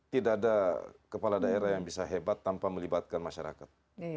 tidak ada kepala daerah yang bisa hebat tanpa melibatkan masyarakat